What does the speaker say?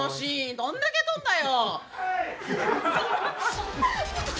どんだけ撮んだよ！